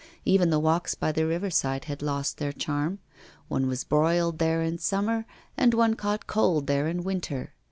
Even the walks by the river side had lost their charm one was broiled there in summer, and one caught cold there in winter.